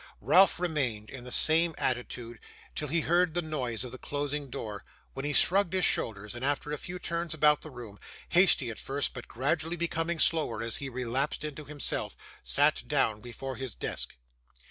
Ralph remained in the same attitude till he heard the noise of the closing door, when he shrugged his shoulders, and after a few turns about the room hasty at first, but gradually becoming slower, as he relapsed into himself sat down before his desk.